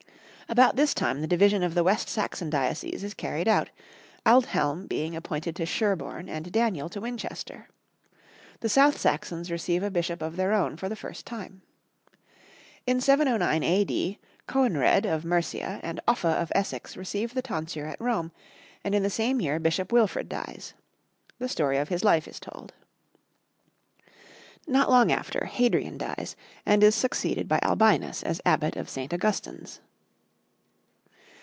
About this time the division of the West Saxon diocese is carried out, Aldhelm being appointed to Sherborne and Daniel to Winchester; the South Saxons receive a bishop of their own for the first time. In 709 A.D. Coenred of Mercia and Offa of Essex receive the tonsure at Rome, and in the same year Bishop Wilfrid dies. The story of his life is told. Not long after, Hadrian dies and is succeeded by Albinus as Abbot of St. Augustine's.